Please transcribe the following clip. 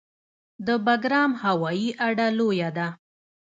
د بګرام هوایي اډه لویه ده